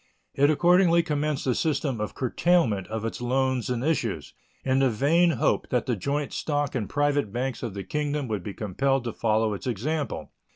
It accordingly commenced a system of curtailment of its loans and issues, in the vain hope that the joint stock and private banks of the Kingdom would be compelled to follow its example.